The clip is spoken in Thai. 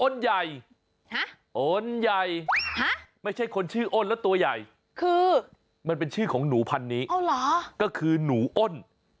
อ้นใหญ่ไม่ใช่คนชื่ออ้นแล้วตัวใหญ่คือมันเป็นชื่อของหนูพันนี้ก็คือหนูอ้น